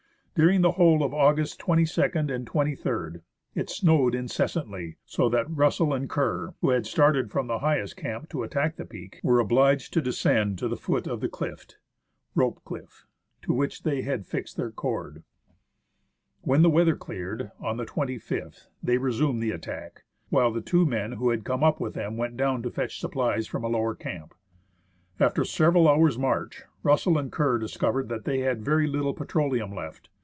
During the whole of August 22nd and 23rd, it snowed incessantly, so that Russell and Kerr, who had started from the highest camp to attack the peak, were obliged to descend to the foot of the clift (Rope Cliff) to which they had fixed their cord. When the weather cleared, on the 25th, they resumed the attack, while the two men who had come up with them went down to fetch supplies from a lower camp. After several hours' march, Russell and Kerr dis covered that they had very little petroleum left.